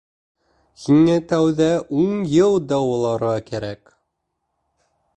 Һине тәүҙә ун йыл дауаларға кәрәк!